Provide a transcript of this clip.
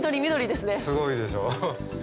すごいでしょ！